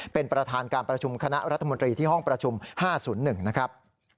เป็นประธานการประชุมคณะรัฐมนตรีที่ห้องประชุม๕๐๑นะครับ